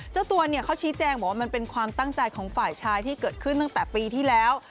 เจ้าตัวเนี่ยเขาชี้แจงบอกว่ามันเป็นความตั้งใจของฝ่ายชายที่เกิดขึ้นตั้งแต่ปีที่แล้ว